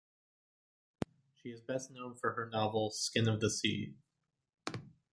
She is best known for her novel "Skin of the Sea".